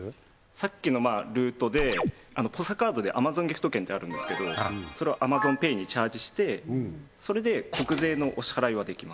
さっきのルートでＰＯＳＡカードでＡｍａｚｏｎギフト券ってあるんですけどそれをＡｍａｚｏｎＰａｙにチャージしてそれで国税のお支払いはできます